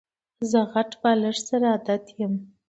زه غټ بالښت سره عادت یم.